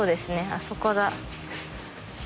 あそこだ。